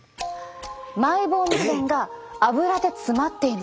マイボーム腺がアブラで詰まっています。